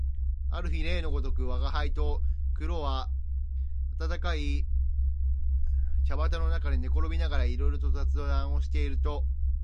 ある日例のごとく吾輩と黒は暖かい茶畠の中で寝転びながらいろいろ雑談をしていると、